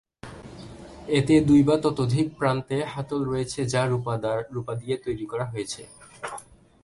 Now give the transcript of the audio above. এতে দুই বা ততোধিক প্রান্তে হাতল রয়েছে যা রূপা দিয়ে তৈরী করা হয়েছে।